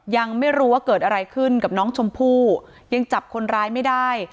ยังไม่รู้ว่าเกิดอะไรขึ้นกับน้องชมพู่ยังจับคนร้ายไม่ได้